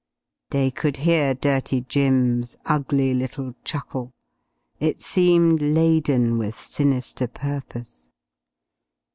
They could hear "Dirty Jim's" ugly little chuckle. It seemed laden with sinister purpose.